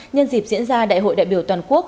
nhân dịp diễn ra đại hội đại biểu toàn quốc